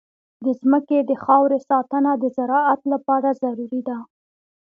د ځمکې د خاورې ساتنه د زراعت لپاره ضروري ده.